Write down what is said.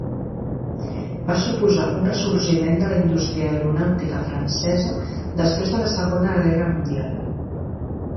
Va suposar un ressorgiment de la indústria aeronàutica francesa després de la Segona Guerra Mundial.